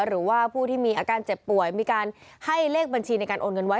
หรือว่าผู้ที่มีอาการเจ็บป่วยมีการให้เลขบัญชีในการโอนเงินไว้